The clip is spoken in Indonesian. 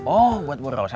oh buat ibu rosa